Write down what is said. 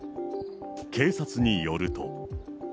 警察によると。